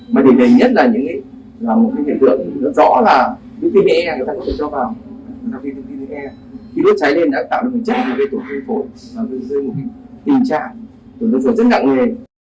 mà điểm đầy nhất là những hiện tượng rõ ràng là dưới tme người ta có thể cho vào khi đốt cháy lên đã tạo được những chất để gây tổn thương phổi và dưới một tình trạng tổn thương phổi rất nặng nghề